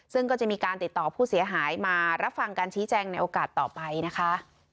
ซึ่งก็จะมีการติดต่อผู้เสียหายมารับฟังการชี้แจงในโอกาสต่อไปนะคะ